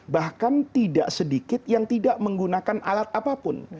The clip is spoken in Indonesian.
bahkan tidak sedikit yang tidak menggunakan alat apapun